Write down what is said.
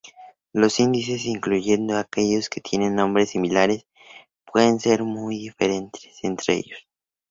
Los índices, incluyendo aquellos que tienen nombres similares, pueden ser muy diferentes entre ellos.